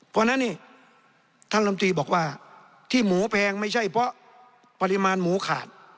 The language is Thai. เพราะฉะนั้นนี่ท่านลำตีบอกว่าที่หมูแพงไม่ใช่เพราะปริมาณหมูขาด